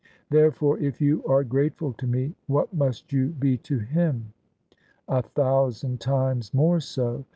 Therefore if you are grateful to me, what must you be to Him? "" A thousand times more so.